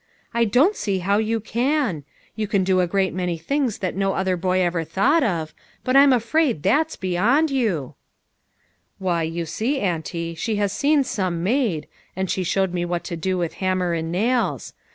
" I don't see how you can ! You can do a great many things that no other boy ever thought of; but I'm afraid that's beyond you." HOW IT SUCCEEDED. 117 "Why, you see, auntie, she has seen some made, and she showed me what to do with ham mer and nails.